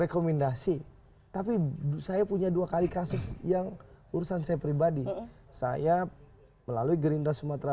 rekomendasi tapi saya punya dua kali kasus yang urusan saya pribadi saya melalui gerindra sumatera